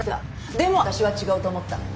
でも私は違うと思った。